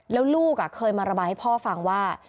แล้วลูกเคยมาระบายให้พ่อฟังว่า